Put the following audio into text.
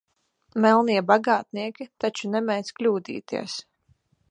Melnie bagātnieki taču nemēdz kļūdīties.